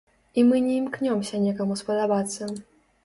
І мы не імкнёмся некаму спадабацца.